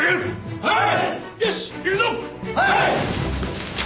はい！